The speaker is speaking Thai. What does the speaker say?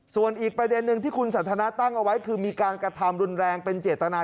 ส่วนอีกประเด็นหนึ่งที่คุณสันทนาตั้งเอาไว้คือมีการกระทำรุนแรงเป็นเจตนา